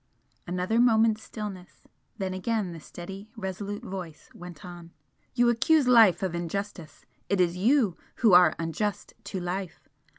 Another moment's stillness then again the steady, resolute voice went on. "You accuse life of injustice, it is you who are unjust to life!